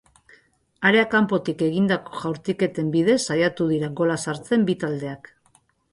Area kanpotik egindako jaurtiketen bidez saiatu dira gola sartzen bi taldeak.